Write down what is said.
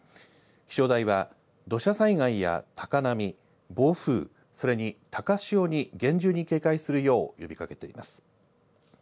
気象台は、土砂災害や高波、暴風、それに高潮に厳重に警戒するよう呼びかけています。